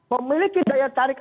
memiliki daya tarik